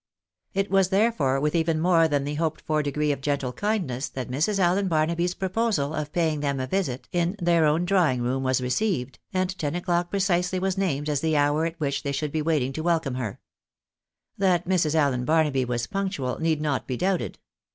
239 It was therefore with even more than the hoped for degree of gentle kindness that Mrs. Allen Barnaby's proposal of paying them a visit in their own drawing room was received, and ten o'clock precisely was named as the hour at which they should be waiting to welcome her. That Mrs. Allen Barnaby was punctual need not be doubted.